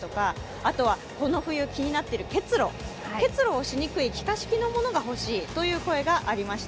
あとは、この冬気になっている結露結露をしにくい気化式のものが欲しいという声がありました。